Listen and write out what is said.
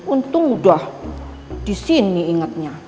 untung udah di sini ingetnya